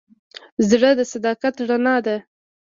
زړه د صداقت رڼا ده.